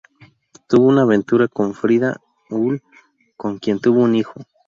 Tuvo una aventura con Frida Uhl, con quien tuvo un hijo.